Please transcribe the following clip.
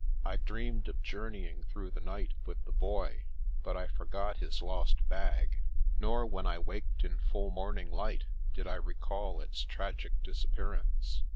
I dreamed of journeying through the night with the Boy, but I forgot his lost bag; nor when I waked in full morning light, did I recall its tragic disappearance.